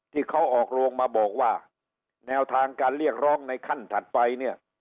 ที่เขาออกโรงมาบอกว่าแนวทางการเรียกร้องในขั้นถัดไปเนี่ย